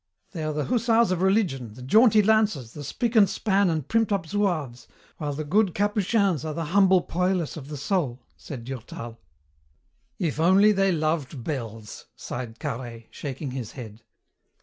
"They are the hussars of religion, the jaunty lancers, the spick and span and primped up Zouaves, while the good Capuchins are the humble poilus of the soul," said Durtal. "If only they loved bells," sighed Carhaix, shaking his head.